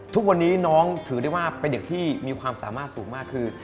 ทุกวันนี้น้องถือได้ว่าเป็นเด็กที่มีความสามารถสูงมากคือ